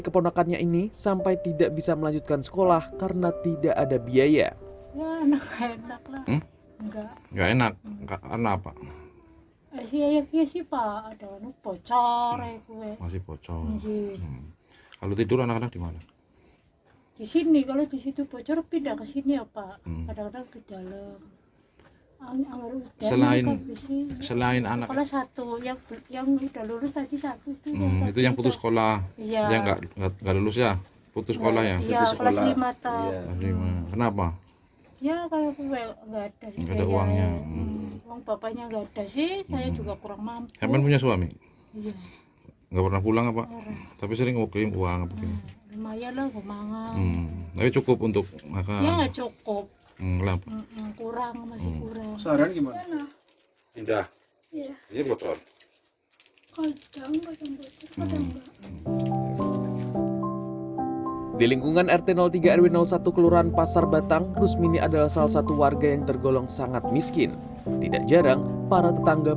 potrat kemiskinan di brebes jowa tengah